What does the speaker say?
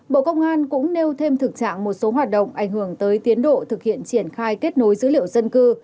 bộ công an cũng nêu thêm thực trạng một số hoạt động ảnh hưởng tới tiến độ thực hiện triển khai kết nối dữ liệu dân cư